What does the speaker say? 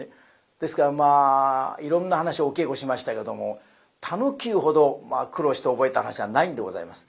ですからまあいろんな噺をお稽古しましたけども「田能久」ほど苦労して覚えた噺はないんでございます。